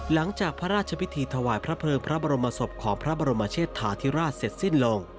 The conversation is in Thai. หลังจากพระราชพิธีถวายพระเพลิงพระบรมศพของพระบรมเชษฐาธิราชเสร็จสิ้นลง